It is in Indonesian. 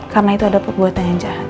karena itu ada perbuatan yang jahat